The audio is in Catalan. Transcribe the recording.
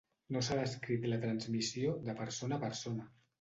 No s'ha descrit la transmissió de persona a persona.